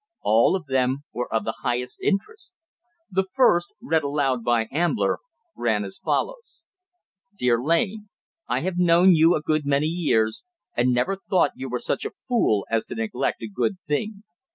All of them were of the highest interest. The first, read aloud by Ambler, ran as follows: _"Dear Lane, I have known you a good many years, and never thought you were such a fool as to neglect a good thing.